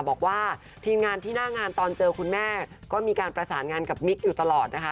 บอกว่าทีมงานที่หน้างานตอนเจอคุณแม่ก็มีการประสานงานกับมิ๊กอยู่ตลอดนะคะ